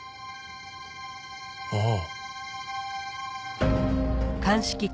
ああ。